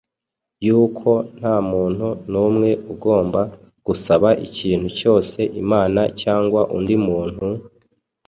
yuko nta muntu n’umwe ugomba gusaba ikintu cyose Imana cyangwa undi muntu,